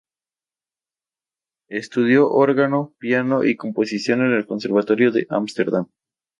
Estudió órgano, piano y composición en el conservatorio de Ámsterdam.